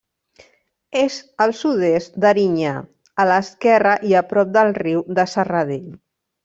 És al sud-est d'Erinyà, a l'esquerra i a prop del riu de Serradell.